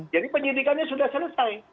jadi penyidikannya sudah selesai